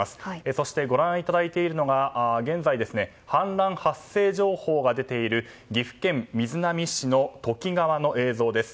そしてご覧いただいているのが現在氾濫発生情報が出ている岐阜県瑞浪市の土岐川の映像です。